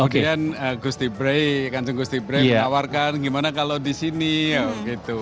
kemudian gusti brey kansung gusti brey menawarkan gimana kalau di sini gitu